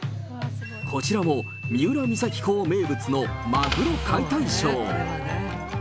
こちらも三浦三崎港名物のマグロ解体ショー。